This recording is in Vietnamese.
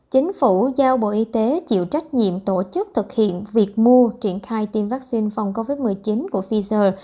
chính phủ giao bộ y tế chịu trách nhiệm tổ chức thực hiện việc mua triển khai tiêm vaccine phòng covid một mươi chín của pfizer